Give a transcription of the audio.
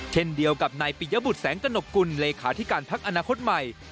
เช่นเดียวกับนายปิยบุตรแสงกระหนกกุลเลขาธิการพักอนาคตใหม่